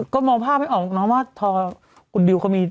ก็มองภาพไม่ออกคุณดิวเค้ามี